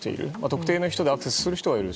特定の人でアクセスする人もいる。